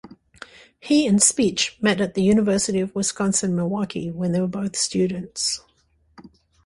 He and Speech met at the University of Wisconsin-Milwaukee when they were both students.